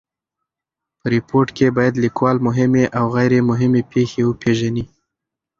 په ریپورټ کښي باید لیکوال مهمي اوغیري مهمي پېښي وپېژني.